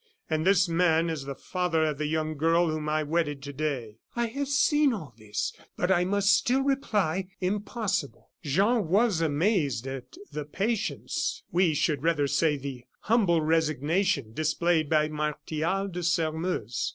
And this man is the father of the young girl whom I wedded to day." "I have seen all this; but I must still reply: 'Impossible.'" Jean was amazed at the patience, we should rather say, the humble resignation displayed by Martial de Sairmeuse.